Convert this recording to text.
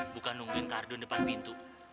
bukan nungguin kardun depan pintu